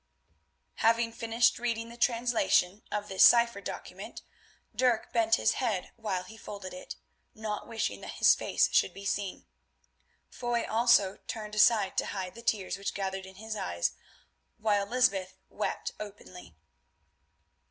Having finished reading the translation of this cypher document, Dirk bent his head while he folded it, not wishing that his face should be seen. Foy also turned aside to hide the tears which gathered in his eyes, while Lysbeth wept openly.